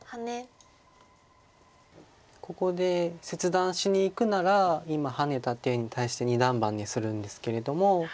ここで切断しにいくなら今ハネた手に対して二段バネするんですけれども。